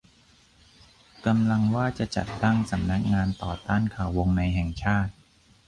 กำลังว่าจะจัดตั้ง สำนักงานต่อต้านข่าววงในแห่งชาติ